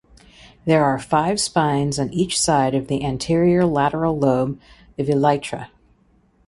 There are five spines on each side of the anterior lateral lobe of elytra.